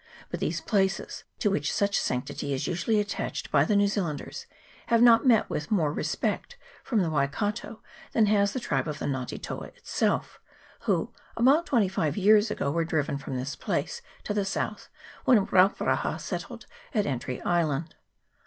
But these places, to which such sanctity is usually attached by the New Zealanders, have not met with more respect from the Waikato than has the tribe of the Nga te toa itself, who about twenty five years ago were driven from this place to the south, when Rauparaha settled at Entry Island.